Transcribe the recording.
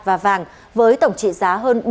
và vàng với tổng trị giá hơn